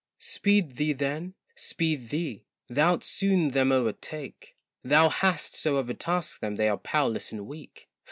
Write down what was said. Speed thee then, speed thee, thou'lt soon them o'ertake, Thou hast so overtasked them they're powerless and weak.